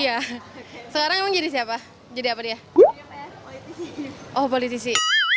iya sekarang emang jadi siapa jadi apa dia oh politisi